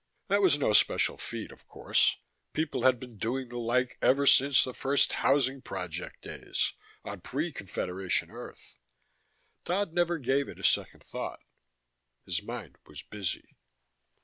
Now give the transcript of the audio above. That was no special feat, of course: people had been doing the like ever since the first housing project days, on pre Confederation Earth. Dodd never gave it a second thought: his mind was busy.